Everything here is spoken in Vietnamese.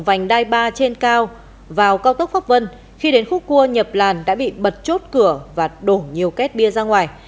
vành đai ba trên cao vào cao tốc pháp vân khi đến khúc cua nhập làn đã bị bật chốt cửa và đổ nhiều kết bia ra ngoài